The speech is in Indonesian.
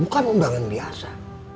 bukan undangan biasa